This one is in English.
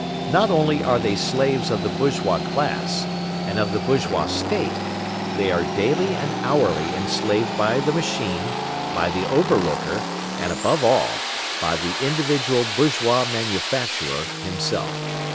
Not only are they slaves of the bourgeois class, and of the bourgeois State; they are daily and hourly enslaved by the machine, by the over looker, and, above all, by the individual bourgeois manufacturer himself.